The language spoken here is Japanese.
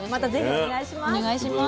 お願いします。